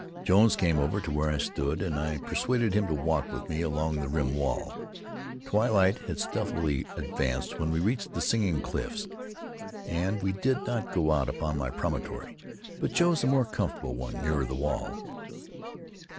Jones came over to where I stood, and I persuaded him to walk with me along the rim wall. Twilight had stealthily advanced when we reached the Singing Cliffs, and we did not go out upon my promontory, but chose a more comfortable one nearer the wall.